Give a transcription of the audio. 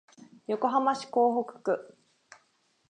横浜市港北区